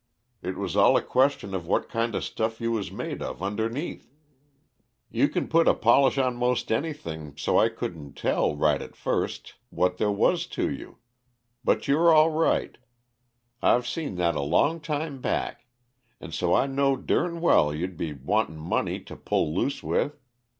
It was all a question of what kinda stuff you was made of underneath. You c'n put a polish on most anything, so I couldn't tell, right at first, what there was to you. But you're all right I've seen that a long time back; and so I knowed durn well you'd be wantin' money to pull loose with.